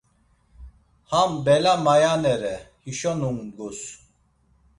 Ham bela mayanere, hişo numgus.